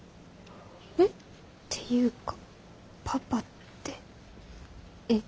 えっ？ていうかパパってえっ？